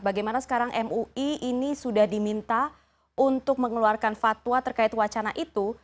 bagaimana sekarang mui ini sudah diminta untuk mengeluarkan fatwa terkait wacana itu